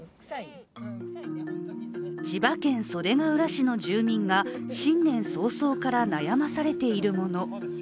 千葉県袖ケ浦市の住民が新年早々から悩まされているもの。